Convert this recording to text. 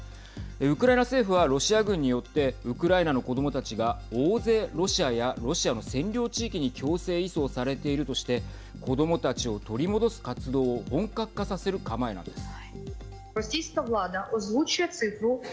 ウクライナ政府はロシア軍によってウクライナの子どもたちが大勢ロシアやロシアの占領地域に強制移送されているとして子どもたちを取り戻す活動を本格化させる構えなんです。